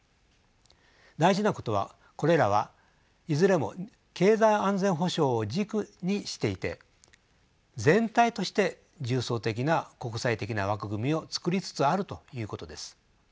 大事なことはこれらはいずれも経済安全保障を軸にしていて全体として重層的な国際的な枠組みをつくりつつあるということです。